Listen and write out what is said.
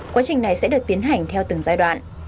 quá trình này sẽ được tiến hành theo từng giai đoạn